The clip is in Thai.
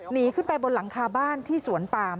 หนีขึ้นไปบนหลังคาบ้านที่สวนปาม